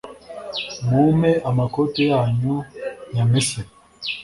mumpe amakote yanyu nya mese